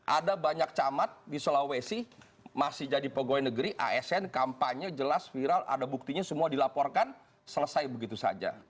ada banyak camat di sulawesi masih jadi pegawai negeri asn kampanye jelas viral ada buktinya semua dilaporkan selesai begitu saja